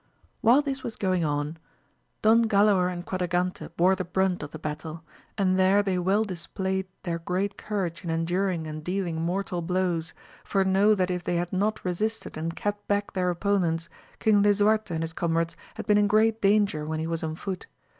While this was going on, Don Gaiaor and Quadrar gante bore the brunt of the battle, and there they weU displayed their great courage in enduring and dealing mortal blows, for know that if they had not resisted and kept back their opponents. King Lisuarte and his comrades had been in great danger when he was on foot.